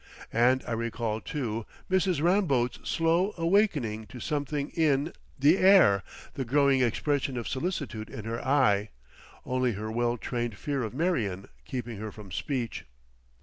And I recall, too, Mrs. Ramboat's slow awakening to something in, the air, the growing expression of solicitude in her eye, only her well trained fear of Marion keeping her from speech.